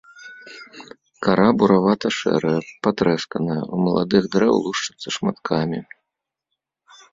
Кара буравата-шэрая, патрэсканая, у маладых дрэў лушчыцца шматкамі.